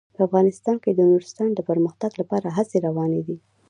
په افغانستان کې د نورستان د پرمختګ لپاره هڅې روانې دي.